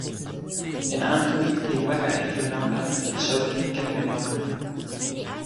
jan Ankewi li weka e ilo nanpa e soweli kepeken noka.